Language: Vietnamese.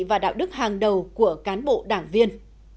và đạo đức hàng đầu của cán bộ đảng viên